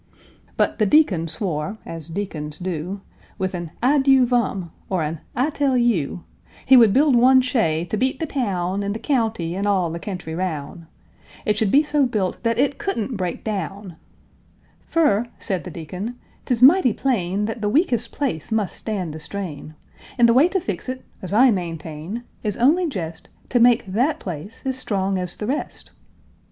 But the Deacon swore, (as Deacons do, With an "I dew vum," or an "I tell yeou,") He would build one shay to beat the taown 'N' the keounty 'n' all the kentry raoun'; It should be so built that it couldn' break daown: "Fur," said the Deacon, "'t's mighty plain Thut the weakes' place mus' stan' the strain; 'N' the way t' fix it, uz I maintain, Is only jest T' make that place uz strong uz the rest."